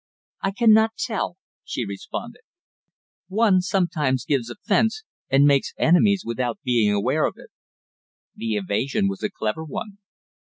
"I cannot tell," she responded. "One sometimes gives offence and makes enemies without being aware of it." The evasion was a clever one.